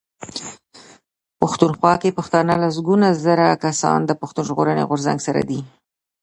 پښتونخوا کې پښتانه لسګونه زره کسان د پښتون ژغورني غورځنګ سره دي.